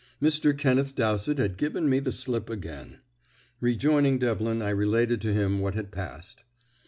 Mr. Kenneth Dowsett had given me the slip again. Rejoining Devlin, I related to him what had passed.